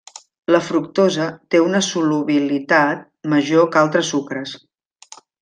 La fructosa té una solubilitat major que altres sucres.